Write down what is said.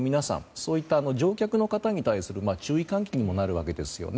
そういう乗客の方に対する注意喚起にもなるんですね。